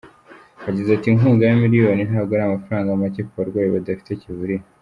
Yagize ati “Inkunga ya miliyoni ntabwo ari amafaranga make ku barwayi badafite kivurira.